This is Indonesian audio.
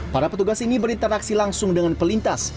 para petugas ini berinteraksi langsung dengan pelintas